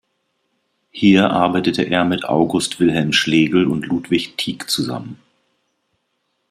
Hier arbeitete er mit August Wilhelm Schlegel und Ludwig Tieck zusammen.